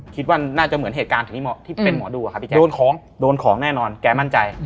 คิดว่าน่าจะเหมือนเหตุการณ์ที่เป็นหมอดูอะครับพี่แจ๊โดนของโดนของแน่นอนแกมั่นใจ